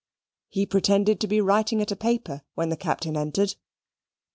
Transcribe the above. He pretended to be writing at a paper, when the Captain entered.